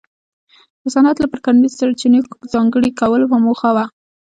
د صنعت لپاره کرنیزو سرچینو ځانګړي کولو په موخه و.